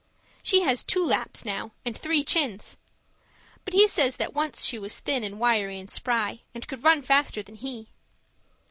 She has two laps now, and three chins. But he says that once she was thin and wiry and spry and could run faster than he.